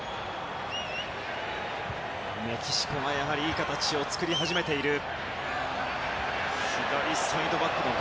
メキシコがいい形を作り始めている。